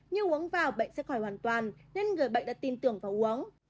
như uống vào bệnh sẽ khỏi hoàn toàn nên người bệnh đã tin tưởng vào uống